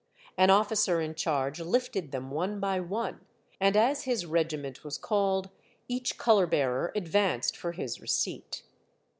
An officer in charge lifted them one by one, and as his regiment was called each color bearer advanced for his receipt.